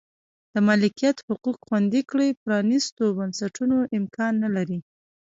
د مالکیت حقوق خوندي کړي پرانیستو بنسټونو امکان نه لري.